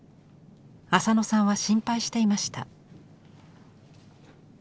浅野さんは心配していました。